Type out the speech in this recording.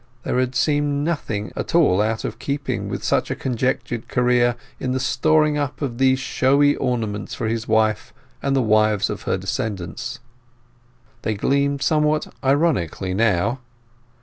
There had seemed nothing at all out of keeping with such a conjectured career in the storing up of these showy ornaments for his wife and the wives of her descendants. They gleamed somewhat ironically now.